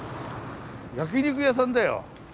焼き肉屋さんだよ。